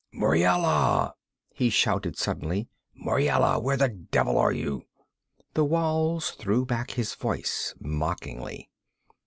'Muriela!' he shouted suddenly. 'Muriela! Where the devil are you?' The walls threw back his voice mockingly.